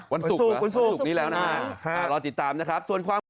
วันสุขนี้แล้วนะครับรอติดตามนะครับ